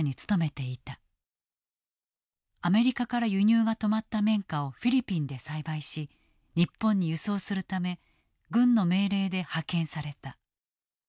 アメリカから輸入が止まった綿花をフィリピンで栽培し日本に輸送するため軍の命令で派遣された。